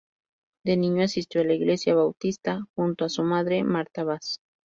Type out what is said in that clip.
De niño, asistió a la Iglesia Bautista junto a su madre, Martha Bass.